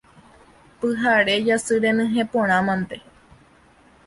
Pyhare jasy renyhẽ porã mante.